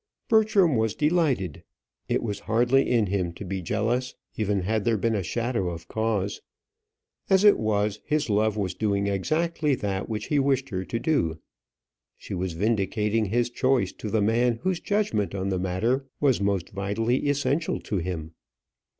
Bertram was delighted. It was hardly in him to be jealous, even had there been a shadow of cause. As it was, his love was doing exactly that which he wished her to do. She was vindicating his choice to the man whose judgment on the matter was most vitally essential to him.